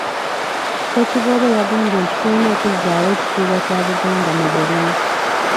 Ssekiboobo yagambye nti tulina okuzzaawo ekitiibwa kya Buganda mu bulimi.